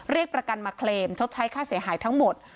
เรียกประกันมาเคลมชดใช้ค่าเสียหายทั้งหมด